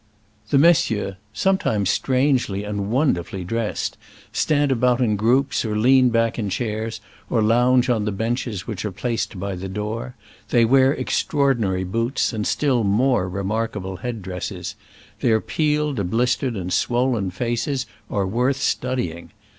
The messieurs — some times strangely and wonderfully dressed — stand about in groups, or lean back in chairs, or lounge on the benches which are placed by the door. They wear extraordinary boots, and still more remarkable head dresses. Their peeled, blistered and swollen faces are worth studying.